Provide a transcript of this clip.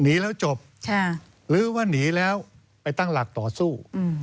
หนีแล้วจบหรือว่าหนีแล้วไปตั้งหลักต่อสู้